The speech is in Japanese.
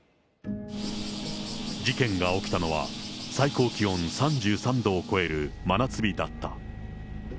事件が起きたのは最高気温３３度を超える真夏日だった。